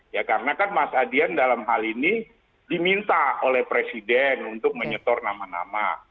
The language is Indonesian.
ya karena kan mas adian dalam hal ini diminta oleh presiden untuk menyetor nama nama